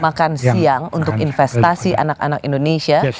makan siang untuk investasi anak anak indonesia